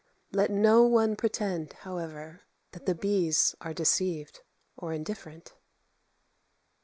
Let no one pretend, however, that the bees are deceived or indifferent.